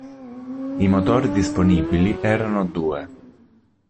I motori disponibili erano due.